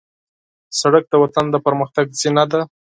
سړک د وطن د پرمختګ زینه ده.